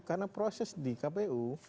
karena proses di kpu